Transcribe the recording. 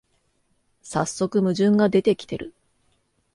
さっそく矛盾が出てきてる